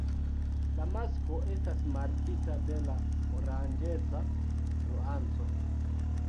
La masko estas markita de la oranĝeca nuanco.